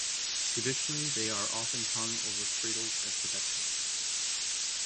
Traditionally they are often hung over cradles as protection.